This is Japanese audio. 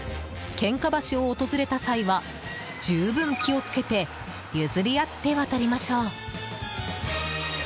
ケンカ橋を訪れた際は十分気を付けて譲り合って渡りましょう。